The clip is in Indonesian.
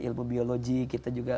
ilmu biologi kita juga